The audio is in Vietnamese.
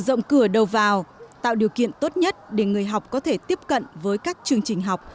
mở rộng cửa đầu vào tạo điều kiện tốt nhất để người học có thể tiếp cận với các chương trình học